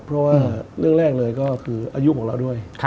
เพราะว่าเรื่องแรกเลยก็คืออายุของเราด้วย